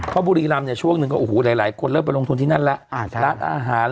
เพราะบุรีริมนี่ช่วงหนึ่งหลายคนเริ่มลงทุนที่นั่นแล้ว